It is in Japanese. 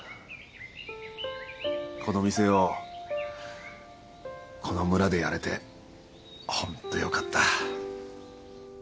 この店をこの村でやれてホントよかった。